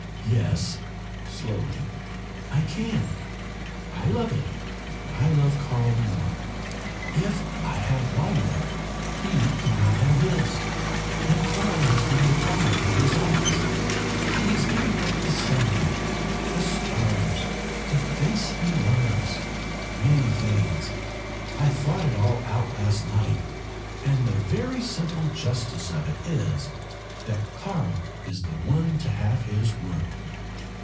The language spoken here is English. "Yes," slowly "I can. I love it, but I love Karl more. If I have my work he cannot have his, and Karl has been deprived of his eyes he is giving up the sunlight the stars the face he loves many things. I thought it all out last night, and the very simple justice of it is that Karl is the one to have his work."